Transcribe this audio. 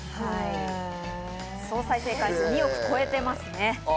総再生回数２億を超えてますね。